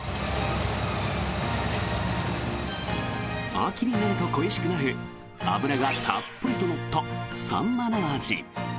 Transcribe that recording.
秋になると恋しくなる脂がたっぷりと乗ったサンマの味。